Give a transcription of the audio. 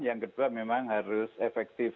yang kedua memang harus efektif